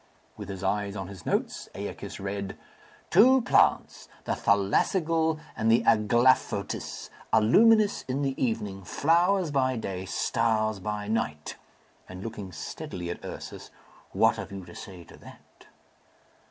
With his eyes on his notes, Æacus read, "Two plants, the thalagssigle and the aglaphotis, are luminous in the evening, flowers by day, stars by night;" and looking steadily at Ursus, "What have you to say to that?"